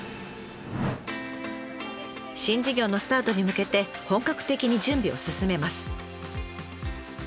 新事業のスタートに向けて本格的に準備を進めます。